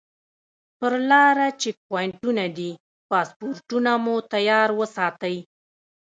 پر لاره چیک پواینټونه دي پاسپورټونه مو تیار وساتئ.